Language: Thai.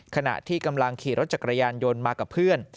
ขณะที่กำลังขี่รถจักรยานยนต์มากับเพื่อน